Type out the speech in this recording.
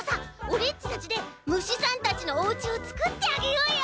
オレっちたちでむしさんたちのおうちをつくってあげようよ！